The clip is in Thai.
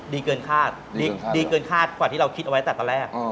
ดีเกินคาดดีเกินคาดกว่าที่เราคิดเอาไว้แต่ตอนแรก